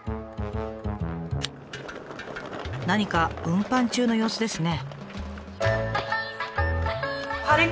何か運搬中の様子ですね。